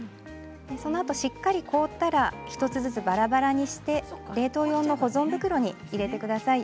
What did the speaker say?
しっかり凍ったら１つずつばらばらにして冷凍用の保存袋に入れてください。